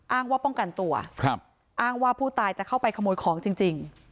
อ้างว่าป้องกันตัวอ้างว่าผู้ตายจะเข้าไปขโมยของจริง